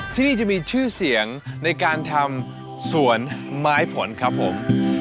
ที่นี่จะมีชื่อเสียงในการทำสวนไม้ผลครับผม